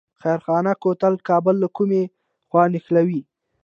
خیرخانه کوتل کابل له کومې خوا نښلوي؟